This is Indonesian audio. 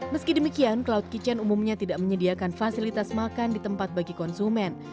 meski demikian cloud kitchen umumnya tidak menyediakan fasilitas makan di tempat bagi konsumen